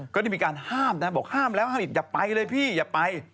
ก็ได้มีการห้ามนะฮะบอกว่าห้ามแล้วอย่าไปเลยพี่อย่าไป